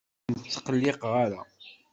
Ur ken-ttqelliqeɣ ara.